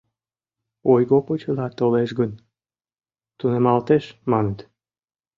Ойго почела толеш гын, тунемалтеш, маныт.